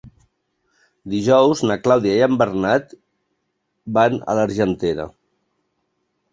Dijous na Clàudia i en Bernat van a l'Argentera.